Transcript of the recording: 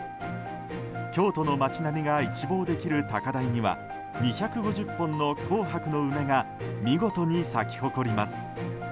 京都の街並みが一望できる高台には２５０本の紅白の梅が見事に咲き誇ります。